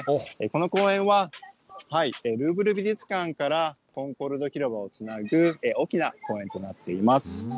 この公園は、ルーブル美術館からコンコルド広場をつなぐ大きな公園となっています。